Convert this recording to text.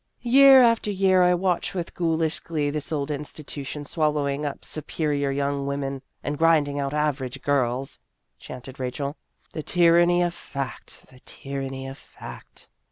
" Year after year I watch with ghoulish glee this old institution swallowing up su perior young women, and grinding out average girls," chanted Rachel, " the tyranny of fact, the tyranny of fact